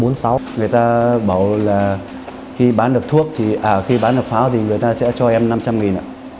người ta bảo là khi bán được pháo thì người ta sẽ cho em năm trăm linh nghìn